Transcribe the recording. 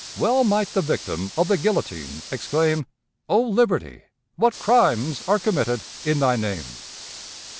Well might the victim of the guillotine exclaim, "O Liberty, what crimes are committed in thy name!"